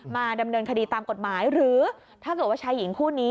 มาดำเนินคดีตามกฎหมายหรือถ้าเกิดว่าชายหญิงคู่นี้